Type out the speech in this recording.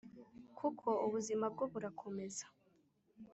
Kuko ubuzima bwo burakomeza